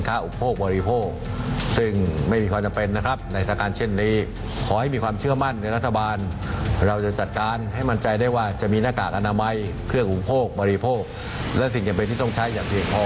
อุปโภคบริโภคซึ่งไม่มีความจำเป็นนะครับในสถานการณ์เช่นนี้ขอให้มีความเชื่อมั่นในรัฐบาลเราจะจัดการให้มั่นใจได้ว่าจะมีหน้ากากอนามัยเครื่องอุปโภคบริโภคและสิ่งจำเป็นที่ต้องใช้อย่างเพียงพอ